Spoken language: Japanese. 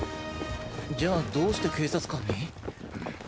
じゃあどうして警察官に？